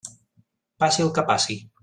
Passi el que passi.